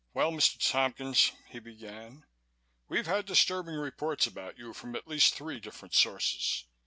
"Well, Mr. Tompkins," he began, "we've had disturbing reports about you from at least three different sources.